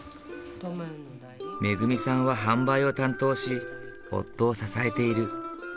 めぐみさんは販売を担当し夫を支えている。